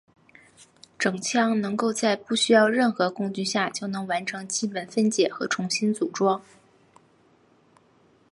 整枪能够在不需任何工具下就能完成基本分解和重新组装。